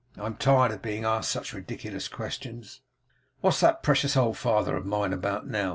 'I am tired of being asked such ridiculous questions.' 'What's that precious old father of mine about now?